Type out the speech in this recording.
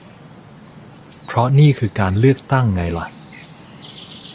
เพราะนึ่คือการเลือกตั้งไงล่ะ